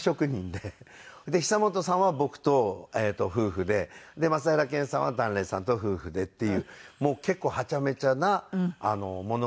で久本さんは僕と夫婦でで松平健さんは檀れいさんと夫婦でっていうもう結構はちゃめちゃな物語で。